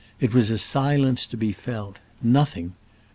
It was a silence to be felt. Nothing